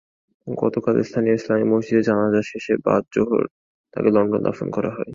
গতকাল স্থানীয় ইসলামিক মসজিদে জানাজা শেষে বাদ জোহর তাঁকে লন্ডনে দাফন করা হয়।